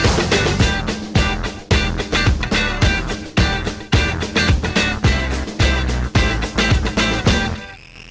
โปรดติดตามตอนต่อไป